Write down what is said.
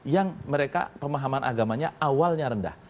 yang mereka pemahaman agamanya awalnya rendah